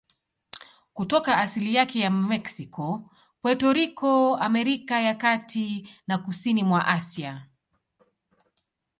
Kutoka asili yake ya Meksiko, Puerto Rico, Amerika ya Kati na kusini mwa Asia.